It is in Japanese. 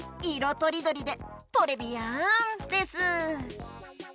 とりどりでトレビアンです。